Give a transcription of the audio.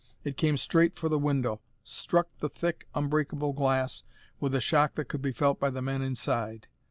It came straight for the window, struck the thick, unbreakable glass with a shock that could be felt by the men inside.